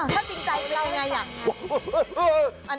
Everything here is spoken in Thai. ถ้าจริงใจเราไง